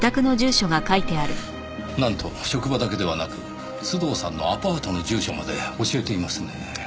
なんと職場だけではなく須藤さんのアパートの住所まで教えていますねぇ。